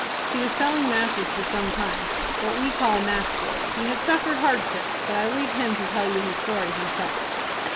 "He was selling matches for some time, what we call a match boy. He had suffered hardships, but I leave him to tell you his story himself."